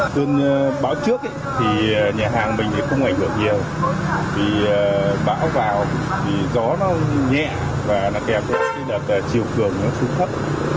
cơn bão trước thì nhà hàng mình cũng ảnh hưởng nhiều vì bão vào thì gió nó nhẹ và kèm với cái đợt chiều cường nó xuống thấp